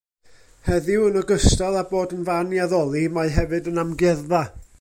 Heddiw, yn ogystal â bod yn fan i addoli, mae hefyd yn amgueddfa.